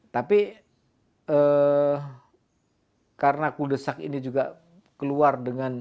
tapi karena kuldesak ini juga keluar